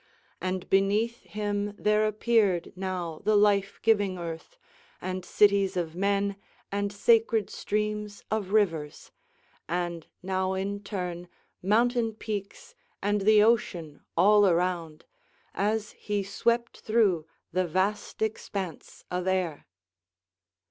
And beneath him there appeared now the life giving earth and cities of men and sacred streams of rivers, and now in turn mountain peaks and the ocean all around, as he swept through the vast expanse of air.